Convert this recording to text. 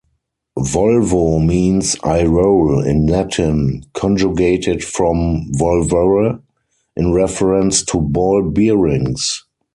"Volvo" means "I roll" in Latin, conjugated from "volvere", in reference to ball bearings.